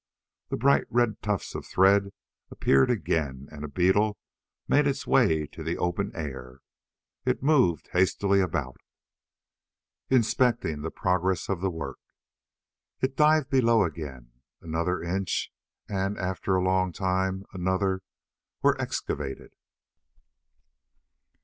The bright red tufts of thread appeared again and a beetle made its way to the open air. It moved hastily about, inspecting the progress of the work. It dived below again. Another inch and, after a long time, another, were excavated.